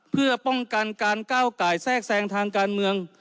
เพื่อป้องกันการก้าวไก่แทรกแทรงทางการเมือง